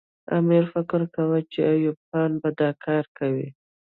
امیر فکر کاوه چې ایوب خان به دا کار کوي.